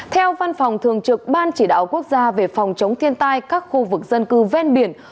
theo văn phòng thường trực ban chỉ đạo quốc gia về phòng chống thiên tai các khu vực dân cư ven biển